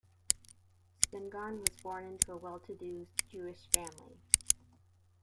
Spingarn was born into a well-to-do Jewish family.